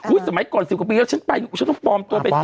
อุ๊ยสมัยก่อน๑๐กว่าปีแล้วฉันไปอยู่ฉันต้องปลอมตัวเป็นเกี่ยว